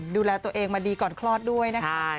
ดูแลตัวเองมาดีก่อนคลอดด้วยนะคะ